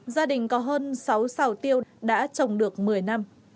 gia đình có hơn sáu xào tiêu đã trồng được một mươi năm